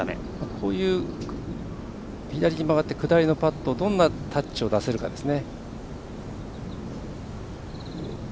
こういう左に曲がって下りの場面でどんなタッチを出せるかですね。